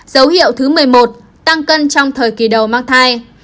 dấu hiệu thứ một mươi một tăng cân trong thời kỳ đầu mang thai